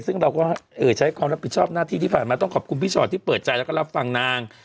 ซึ่งเราก็ใช้ความรับผิดชอบหน้าที่ที่ผ่านมาต้องขอบคุณพี่ชอตที่เปิดใจแล้วก็รับฟังนาง